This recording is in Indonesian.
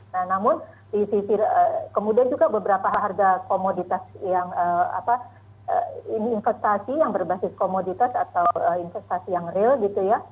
nah namun di sisi kemudian juga beberapa harga komoditas yang investasi yang berbasis komoditas atau investasi yang real gitu ya